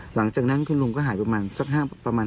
หลังจากนั้นคุณลุงก็หายไปประมาณ